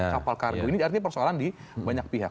kapal kargo ini artinya persoalan di banyak pihak